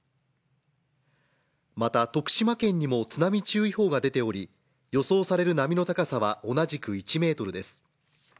また徳島県にも津波注意報が出ており、予想される波の高さは、同じく１ｍです。